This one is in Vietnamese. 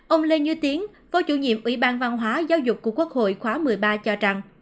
ông lê như tiến phó chủ nhiệm ủy ban văn hóa giáo dục của quốc hội khóa một mươi ba cho rằng